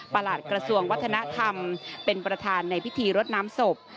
หลัดกระทรวงวัฒนธรรมเป็นประธานในพิธีรดน้ำศพ